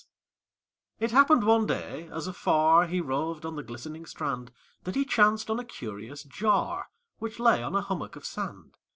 It happened one day, as afar He roved on the glistening strand, That he chanced on a curious jar, Which lay on a hummock of sand.